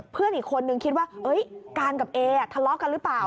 เพื่อนอีกคนนึงคิดว่าการกับเอทะเลาะกันหรือเปล่า